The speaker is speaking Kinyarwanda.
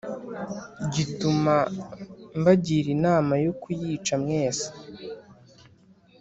gituma mbagira inama yo kuyica mwese.”